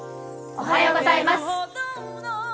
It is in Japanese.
おはようございます。